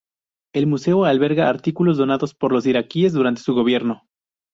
El museo albergaba artículos donados por los iraquíes durante su gobierno.